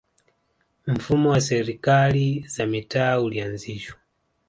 mfumo wa serikali za mitaa ulianzishwa